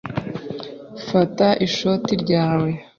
Fata ishoti ryawe.